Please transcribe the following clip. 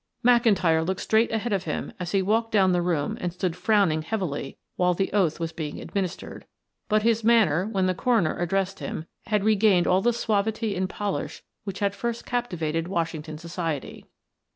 McIntyre looked straight ahead of him as he walked down the room and stood frowning heavily while the oath was being administered, but his manner, when the coroner addressed him, had regained all the suavity and polish which had first captivated Washington society.